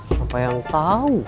siapa yang tau